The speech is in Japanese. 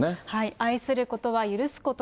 愛することは許すことと。